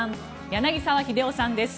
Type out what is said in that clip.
柳澤秀夫さんです。